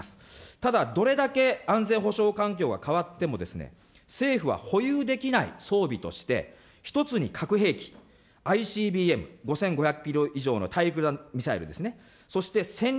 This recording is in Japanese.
ただ、どれだけ安全保障環境が変わってもですね、政府は保有できない装備として、一つに核兵器、ＩＣＢＭ、５５００キロ以上のミサイルですね。